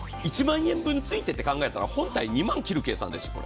１万円分ついてと考えたら本体は２万切る計算です。